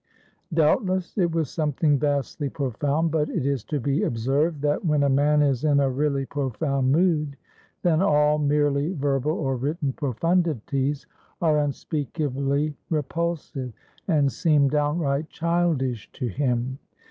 Doubtless, it was something vastly profound; but it is to be observed, that when a man is in a really profound mood, then all merely verbal or written profundities are unspeakably repulsive, and seem downright childish to him.